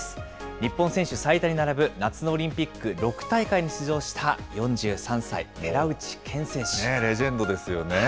日本選手最多に並ぶ夏のオリンピック６大会に出場した４３歳、レジェンドですよね。